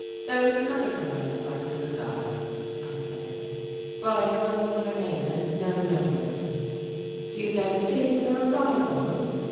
"There is another girl I would like to look up," I said, "but I have only her name and no number." "Do you know the date of her arrival?"